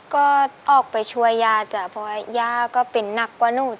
ก็ออกไปช่วยย่าจ้ะเพราะว่าย่าก็เป็นหนักกว่าหนู